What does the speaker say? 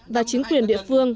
và chính quyền địa phương